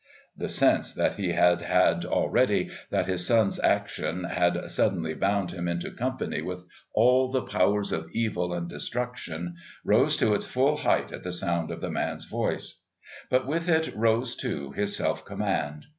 The sense that he had had already that his son's action, had suddenly bound him into company with all the powers of evil and destruction rose to its full height at the sound of the man's voice; but with it rose, too, his self command.